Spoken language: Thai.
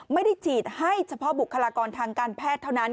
ไม่ได้ฉีดให้เฉพาะบุคลากรทางการแพทย์เท่านั้น